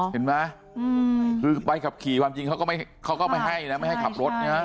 เห็นไหมคือใบขับขี่ความจริงเขาก็ไม่ให้นะไม่ให้ขับรถใช่ไหม